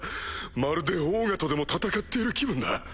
まるでオーガとでも戦っている気分だ。